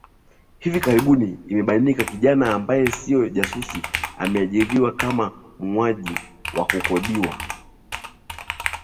hivi karibuni imebainika kijana ambaye sio jasusi ameajiriwa kama muuaji wa kukodiwa